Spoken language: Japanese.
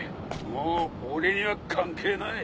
もう俺には関係ない。